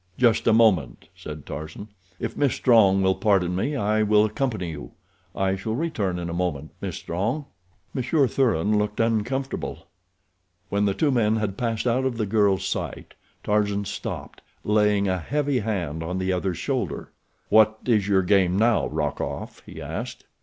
"Just a moment," said Tarzan. "If Miss Strong will pardon me I will accompany you. I shall return in a moment, Miss Strong." Monsieur Thuran looked uncomfortable. When the two men had passed out of the girl's sight, Tarzan stopped, laying a heavy hand on the other's shoulder. "What is your game now, Rokoff?" he asked.